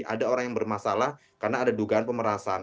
ada orang yang bermasalah karena ada dugaan pemerasan